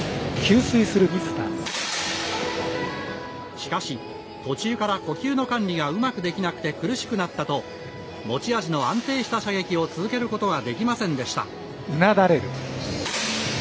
しかし、途中から呼吸の管理がうまくできなくて苦しくなったと持ち味の安定した射撃を続けることができませんでした。